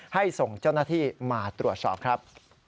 ส่งเจ้าหน้าที่มาตรวจสอบครับ